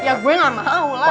ya gue gak mau lah